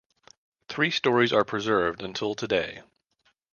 Three storeys are preserved until today.